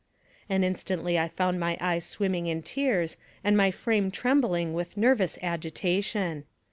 and instantly I found my eyes swimming in tears and my frame trembling with nervous agitation.